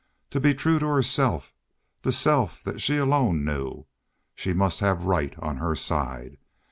To be true to herself the self that she alone knew she must have right on her side.